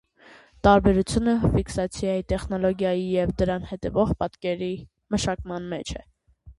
Տարբերությունը ֆիքսացիայի տեխնոլոգիայի և դրան հետևող պատկերի մշակման մեջ է։